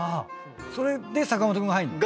それで坂本君が入んの？